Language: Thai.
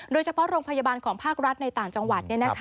โดยเฉพาะโรงพยาบาลของภาครัฐในต่างจังหวัด